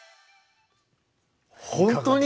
本当に？